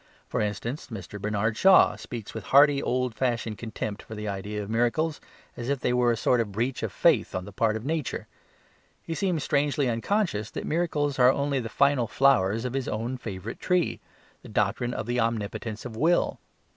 For instance, Mr. Bernard Shaw speaks with hearty old fashioned contempt for the idea of miracles, as if they were a sort of breach of faith on the part of nature: he seems strangely unconscious that miracles are only the final flowers of his own favourite tree, the doctrine of the omnipotence of will.